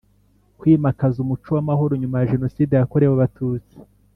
kwimakaza umuco w amahoro nyuma ya Jenoside yakorewe Abatutsi